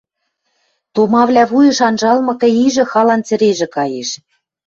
томавлӓ вуйыш анжалмыкы ижӹ халан цӹрежӹ каеш: